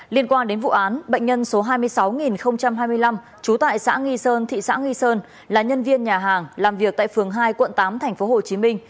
liên quan đến vụ án bệnh nhân số hai mươi sáu nghìn hai mươi năm trú tại xã nghi sơn thị xã nghi sơn là nhân viên nhà hàng làm việc tại phường hai quận tám tp hcm